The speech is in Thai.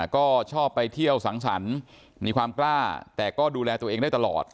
ก็ชอบไปเที่ยวสังสรรค์มีความกล้าแต่ก็ดูแลตัวเองได้ตลอด